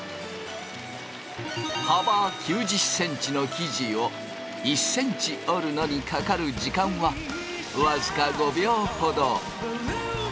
幅９０ｃｍの生地を１ｃｍ織るのにかかる時間は僅か５秒ほど。